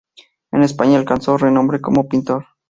En España alcanzó renombre como pintor.